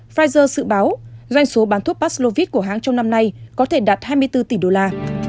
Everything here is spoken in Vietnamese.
pfizer dự báo doanh số bán thuốc paslovid của hãng trong năm nay có thể đạt hai mươi bốn tỷ đô la